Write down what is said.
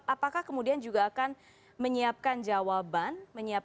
apakah kemudian juga akan menyiapkan jawaban